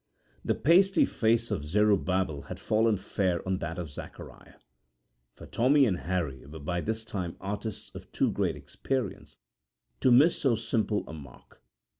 The pasty face of Zerubbabel had fallen fair on that of Zacariah, for Tommy and Harry were by this time artists of too great experience to miss so simple a mark.